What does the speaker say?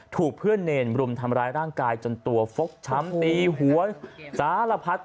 ถูกเพื่อนเนรรุมทำร้ายร่างกายจนตัวฟกช้ำตีหัวสารพัด